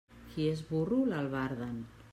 Qui és burro, l'albarden.